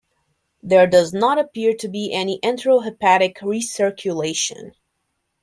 There does not appear to be any entero-hepatic recirculation.